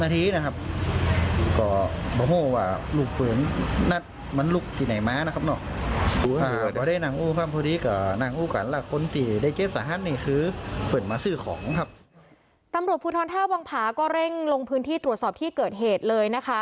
ตำรวจภูทรท่าวังผาก็เร่งลงพื้นที่ตรวจสอบที่เกิดเหตุเลยนะคะ